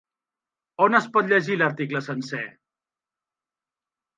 On es pot llegir l'article sencer?